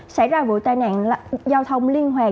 xảy ra vụ tai nạn giao thông liên hoàn